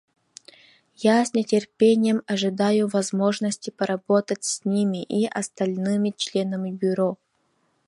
Я с нетерпением ожидаю возможности поработать с ними и с остальными членами Бюро.